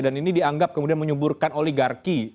dan ini dianggap kemudian menyumburkan oligarki